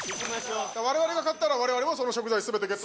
我々が勝ったら我々もその食材全てゲット？